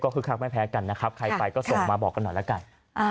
ก็คือครักไม่แพ้กันใครไปก็ส่งมาบอกกันหน่อย